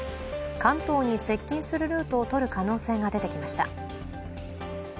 関東に接近するルートをとる可能性が出てきました。